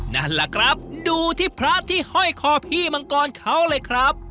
นั่นแหละครับดูที่พระที่ห้อยคอพี่มังกรเขาเลยครับ